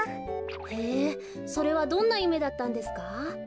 へえそれはどんなゆめだったんですか？